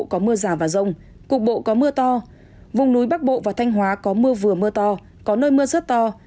có mưa rào và rông cục bộ có mưa to vùng núi bắc bộ và thanh hóa có mưa vừa mưa to có nơi mưa rất to